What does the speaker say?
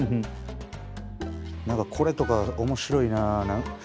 何かこれとか面白いなあ。